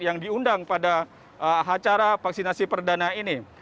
yang diundang pada acara vaksinasi perdana ini